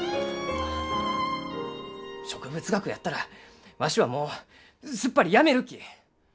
植物学やったらわしはもうすっぱりやめるき！